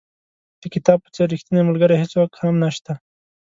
د کتاب په څېر ریښتینی ملګری هېڅوک هم نشته.